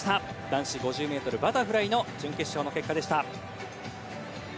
男子５０ｍバタフライの準決勝の結果です。